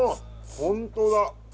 本当だ。